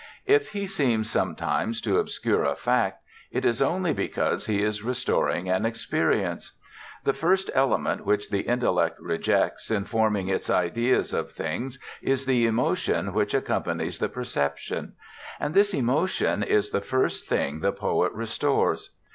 If he seems sometimes to obscure a fact, it is only because he is restoring an experience. The first element which the intellect rejects in forming its ideas of things is the emotion which accompanies the perception; and this emotion is the first thing the poet restores.